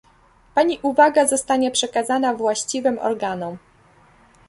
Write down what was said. Pani uwaga zostanie przekazana właściwym organom